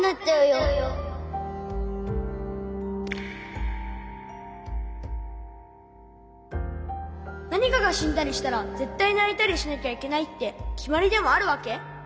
回そう何かがしんだりしたらぜったいないたりしなきゃいけないってきまりでもあるわけ？